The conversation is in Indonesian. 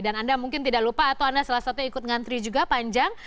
anda mungkin tidak lupa atau anda salah satunya ikut ngantri juga panjang